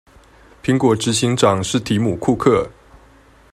蘋果執行長是提姆庫克